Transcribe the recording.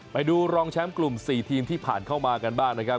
ไปดูรองแชมป์กลุ่ม๔ทีมที่ผ่านเข้ามากันบ้างนะครับ